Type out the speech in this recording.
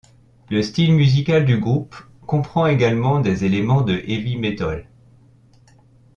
Le style musical du groupe comprend également des éléments de heavy metal.